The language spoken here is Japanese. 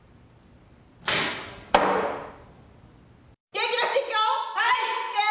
元気出していくよ！